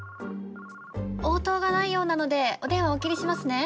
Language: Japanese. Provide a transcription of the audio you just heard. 応答がないようなのでお電話お切りしますね。